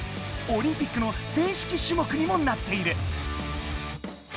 オリンピックの正式種目にもなっている！